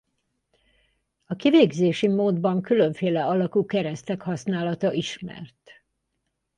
A kivégzési módban különféle alakú keresztek használata ismert.